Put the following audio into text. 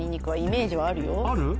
ある？